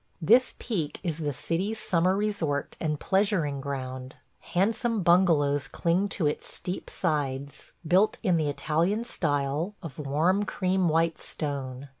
This peak is the city's summer resort and pleasuring ground. Handsome bungalows cling to its steep sides – built in the Italian style, of warm cream white stone.